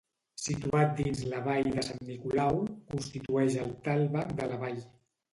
Situat dins la Vall de Sant Nicolau, constitueix el tàlveg de la vall.